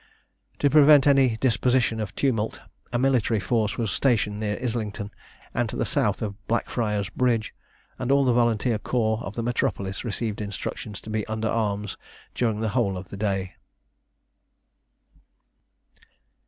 To prevent any disposition to tumult, a military force was stationed near Islington, and to the south of Blackfriars Bridge; and all the volunteer corps of the metropolis received instructions to be under arms during the whole of the day.